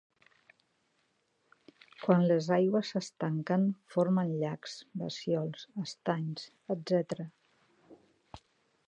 Quan les aigües s'estanquen formen llacs, bassiols, estanys, etc.